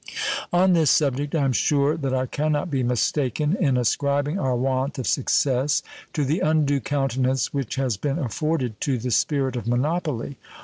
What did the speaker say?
On this subject I am sure that I can not be mistaken in ascribing our want of success to the undue countenance which has been afforded to the spirit of monopoly.